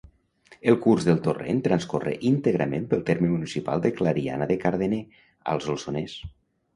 El curs del torrent transcorre íntegrament pel terme municipal de Clariana de Cardener, al Solsonès.